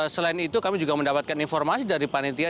selain itu kami juga mendapatkan informasi dari panitia